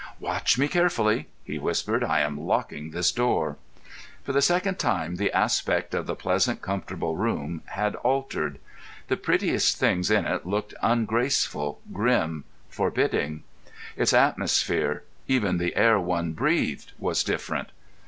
"Watch me carefully," he whispered. "I am locking this door." For the second time the aspect of the pleasant, comfortable room had altered; the prettiest things in it looked ungraceful, grim, forbidding; its atmosphere—even the air one breathed—was different.